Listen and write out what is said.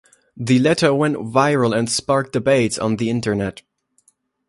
The letter went viral and sparked debates on the internet.